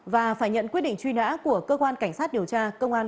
và phải nhận quyết định truy nã của cơ quan cảnh sát điều tra công an